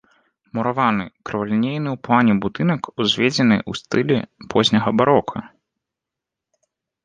Мураваны, крывалінейны ў плане будынак узведзены ў стылі позняга барока.